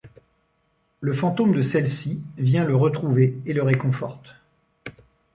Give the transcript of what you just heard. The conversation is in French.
Le fantôme de celle-ci vient le retrouver et le réconforte.